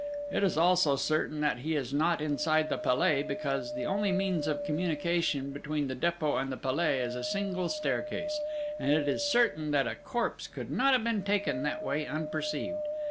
It is also certain that he is not inside the Palais, because the only means of communication between the Dépôt and the Palais is a single staircase, and it is certain that a corpse could not have been taken that way unperceived....